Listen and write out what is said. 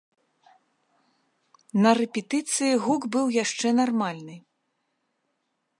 На рэпетыцыі гук быў яшчэ нармальны.